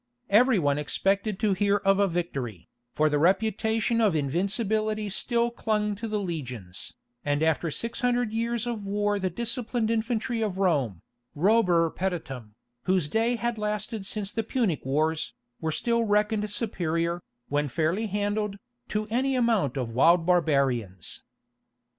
Every one expected to hear of a victory, for the reputation of invincibility still clung to the legions, and after six hundred years of war the disciplined infantry of Rome, robur peditum, whose day had lasted since the Punic wars, were still reckoned superior, when fairly handled, to any amount of wild barbarians.